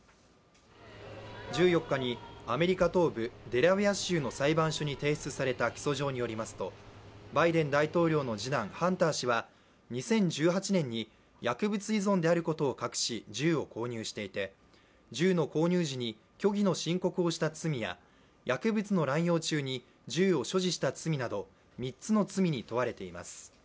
１４日にアメリカ東部デラウエア州の裁判所に提出された起訴状によりますとバイデン大統領の次男・ハンター氏は２０１８年に薬物依存であることを隠し銃を購入していて銃の購入時に虚偽の申告をした罪や薬物の乱用中に銃を所持した罪など３つの罪に問われています。